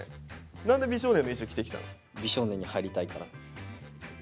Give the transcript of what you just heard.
何で美少年の衣装着てきたの？